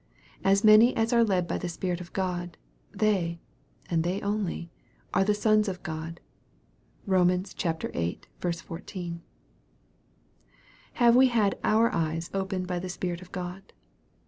" As many as are led by the Spirit of God, they," and they only, " are the sons of God." (Rom. viii. 14.) Have we had our eyes opened by the Spirit of God